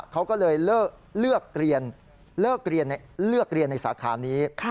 เขาก็เลยเลือกเรียนในสาขานี้